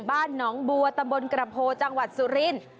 บ้านหนองบัวตำบลกระโพจังหวัดสุรินทร์